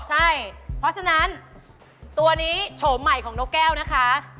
ใช่เพราะฉะนั้นตัวนี้โฉมใหม่ของนกแก้วนะคะ